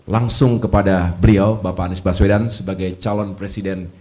langsung kepada beliau bapak anies baswedan sebagai calon presiden